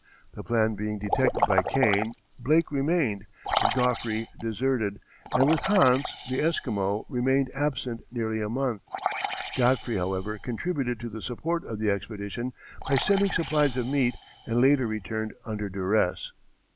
The plan being detected by Kane, Blake remained, but Godfrey deserted, and with Hans, the Esquimau, remained absent nearly a month. Godfrey, however, contributed to the support of the expedition by sending supplies of meat, and later returned under duress.